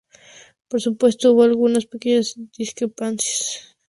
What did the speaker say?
Por supuesto, hubo algunas pequeñas discrepancias.